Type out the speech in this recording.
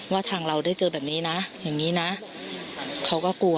ว่าทางเราได้เจอแบบนี้นะอย่างนี้นะเขาก็กลัว